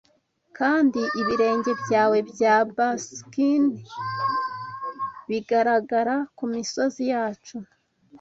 kandi ibirenge byawe bya buskin'd bigaragara kumisozi yacu